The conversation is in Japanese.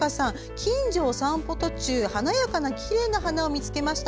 近所を散歩途中、華やかなきれいな花を見つけました。